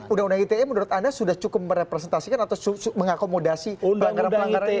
undang undang ite menurut anda sudah cukup merepresentasikan atau mengakomodasi pelanggaran pelanggaran ini